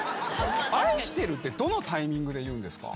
「愛してる」ってどのタイミングで言うんですか？